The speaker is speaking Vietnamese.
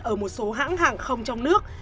ở một số hãng hàng không trong nước